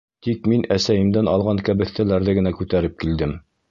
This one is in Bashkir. Тик мин әсәйемдән алған кәбеҫтәләрҙе генә күтәреп килдем.